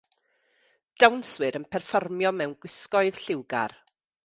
Dawnswyr yn perfformio mewn gwisgoedd lliwgar.